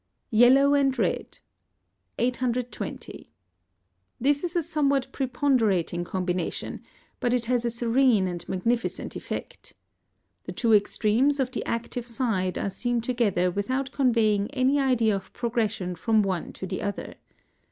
YELLOW AND RED. 820. This is a somewhat preponderating combination, but it has a serene and magnificent effect. The two extremes of the active side are seen together without conveying any idea of progression from one to the other.